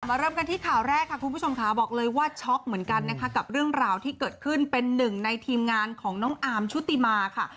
เริ่มกันที่ข่าวแรกค่ะคุณผู้ชมค่ะบอกเลยว่าช็อกเหมือนกันนะคะกับเรื่องราวที่เกิดขึ้นเป็นหนึ่งในทีมงานของน้องอาร์มชุติมาค่ะ